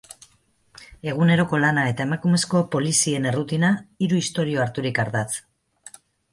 Eguneroko lana eta emakumezko polizien errutina, hiru istorio harturik ardatz.